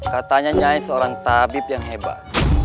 katanya nyai seorang tabib yang hebat